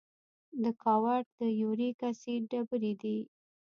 د ګاؤټ د یوریک اسید ډبرې دي.